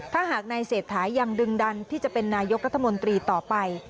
ถ้าหากนายเศรษฐายังดึงดันที่จะเป็นนายกรัฐมนตรีต่อไป